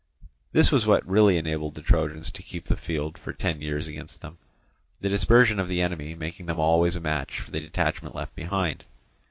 This was what really enabled the Trojans to keep the field for ten years against them; the dispersion of the enemy making them always a match for the detachment left behind.